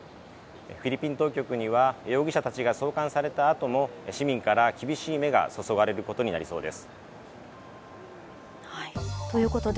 フィリピン当局には容疑者たちが送還されたあとも市民から厳しい目が注がれることになりそうです。